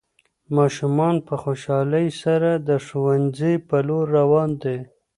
ماشومان په خوشحالۍ سره د ښوونځي په لور روان دي.